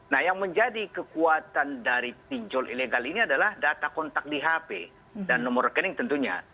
nah yang menjadi kekuatan dari pinjol ilegal ini adalah data kontak di hp dan nomor rekening tentunya